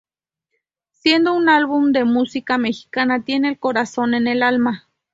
Siendo un álbum de música mexicana tiene el corazón en el alma.